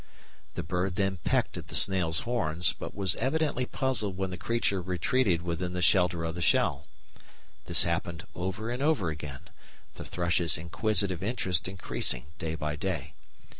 The bird then pecked at the snail's horns, but was evidently puzzled when the creature retreated within the shelter of the shell. This happened over and over again, the thrush's inquisitive interest increasing day by day.